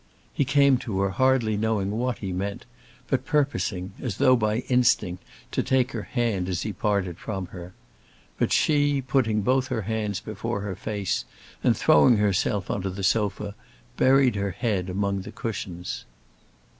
He came to her hardly knowing what he meant, but purposing, as though by instinct, to take her hand as he parted from her. But she, putting both her hands before her face, and throwing herself on to the sofa, buried her head among the cushions.